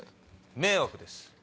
迷惑です。